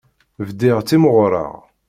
Bdiɣ ttimɣureɣ.